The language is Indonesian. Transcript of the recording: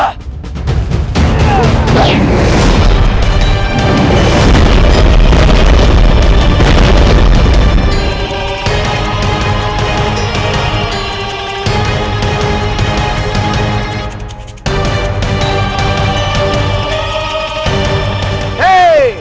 untuk mematikan becon translator